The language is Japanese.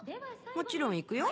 もちろん行くよ。